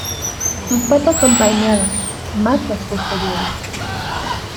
Sus patas son palmeadas, más las posteriores.